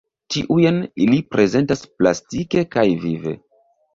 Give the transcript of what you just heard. Tiujn ili prezentas plastike kaj vive.